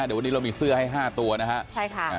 เดี๋ยววันนี้เรามีเสื้อให้๕ตัวนะฮะใช่ค่ะ